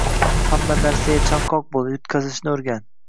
Hamma narsaga chanqoq bo‘l, yutqazishni o‘rgan